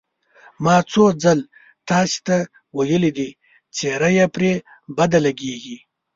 ما څو ځل تاسې ته ویلي دي، څېره یې پرې بده لګېږي.